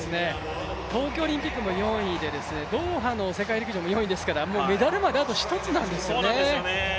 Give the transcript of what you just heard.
東京オリンピックも４位でドーハの世界大会も４位ですからもうメダルまで、あと１つなんですよね。